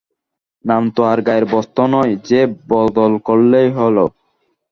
নাম তো আর গায়ের বস্ত্র নয়, যে বদল করলেই হল।